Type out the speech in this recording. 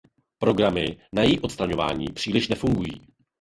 Programy na její odstraňování příliš nefungují.